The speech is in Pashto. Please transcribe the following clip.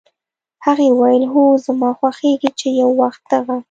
هغې وویل: "هو، زما خوښېږي چې یو وخت دغه